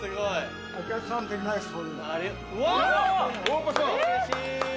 うれしい。